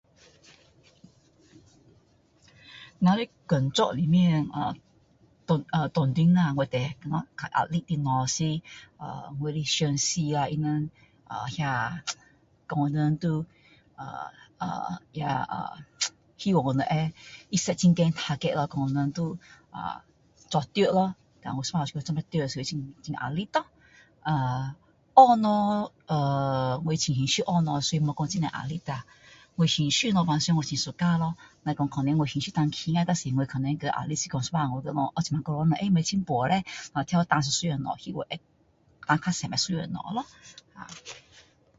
我们的工作里面啊当中啦我觉得较压力的东西啊我的上司啦啊啊希望我们要他set很高target咯说我们要啊做对咯dan我有时候做不到所以就很压力咯啊学东西er我很兴趣学东西er所以没有说很多压力啦我兴趣的东西平常我很喜欢咯也不会可能我喜欢弹琴啊可能有时候学那么久eh不会进步叻 希望会弹比较多东西咯